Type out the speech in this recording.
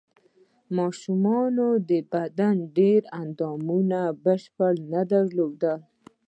ماشومانو د بدن ډېر اندامونه بشپړ نه درلودل.